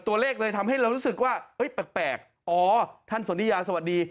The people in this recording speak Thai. ตัวเลขเลยทำให้เรารู้สึกว่าแปลกอ๋อท่านสนทิยาสวัสดี